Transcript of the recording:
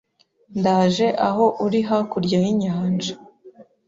Ndaje aho uri hakurya y'inyanja